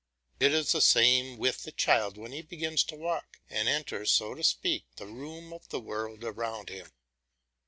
It is the same with the child when he begins to walk, and enters, so to speak, the room of the world around him.